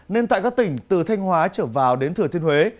nên tại các tỉnh từ thanh hóa trở vào đến thừa thiên huế